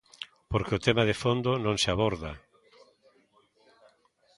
Porque o tema de fondo no se aborda.